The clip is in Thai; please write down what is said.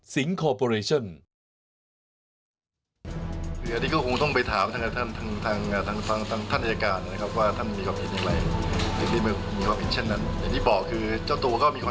สิงค์คอร์ปอเรชเช็น